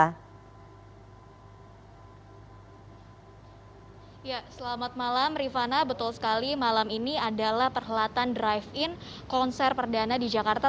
selamat malam rifana betul sekali malam ini adalah perhelatan drive in konser perdana di jakarta